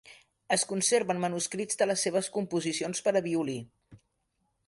Es conserven manuscrits de les seves composicions per a violí.